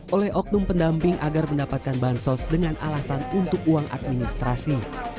oleh oknum pendamping agar mendapatkan bahan sos dengan alasan untuk uang administrasi